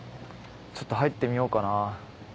ちょっと入ってみようかな。